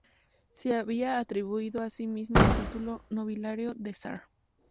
Se había atribuido a sí mismo el título nobiliario de Sar.